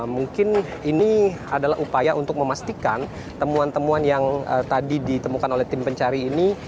mungkin ini adalah upaya untuk memastikan temuan temuan yang tadi ditemukan oleh tim pencari ini